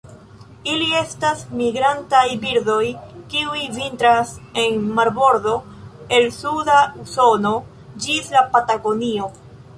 Ili estas migrantaj birdoj kiuj vintras en marbordo el suda Usono ĝis la Patagonio.